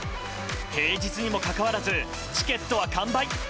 平日にもかかわらずチケットは完売。